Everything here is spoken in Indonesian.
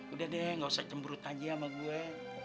udah deh gak usah jemput aja sama gue